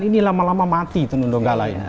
ini lama lama mati tenun donggala ya